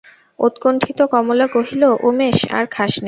উৎকণ্ঠিত কমলা কহিল, উমেশ, আর খাস নে।